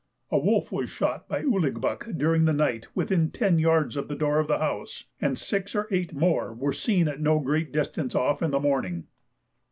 A wolf was shot by Ouligbuck during the night within 10 yards of the door of the house, and six or eight more were seen at no great distance off in the morning.